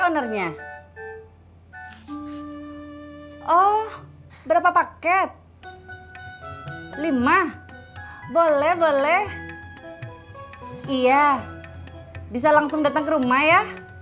iya bisa langsung datang ke rumah ya